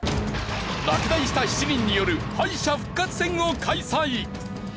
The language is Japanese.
落第した７人による敗者復活戦を開催